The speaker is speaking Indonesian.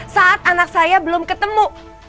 saat anak saya belum ketemu